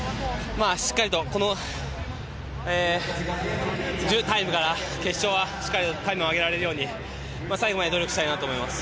しっかりとこのタイムから決勝ではタイムを上げられるように最後まで努力したいと思います。